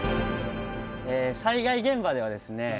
災害現場ではですね